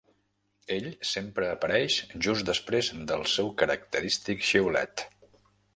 Ell sempre apareix just després del seu característic xiulet.